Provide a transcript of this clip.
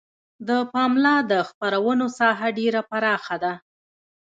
د پملا د خپرونو ساحه ډیره پراخه ده.